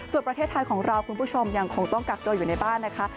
ส่วนประเทศไทยของเราคุณผู้ชมยังคงต้องกักตัวอยู่ในบ้านนะคะ